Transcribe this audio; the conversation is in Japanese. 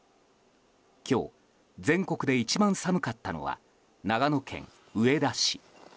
今日、全国で一番寒かったのは長野県上田市。